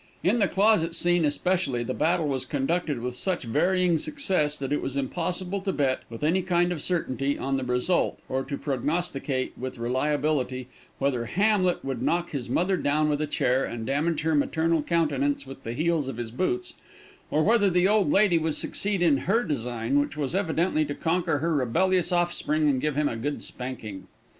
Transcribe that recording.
In the closet scene, especially, the battle was conducted with such varying success that it was impossible to bet, with any kind of certainty, on the result, or to prognosticate, with reliability, whether Hamlet would knock his mother down with a chair, and damage her maternal countenance with the heels of his boots, or whether the old lady would succeed in her design, which was evidently to conquer her rebellious offspring, and give him a good spanking.